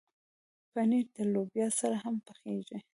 پنېر د لوبیا سره هم پخېږي.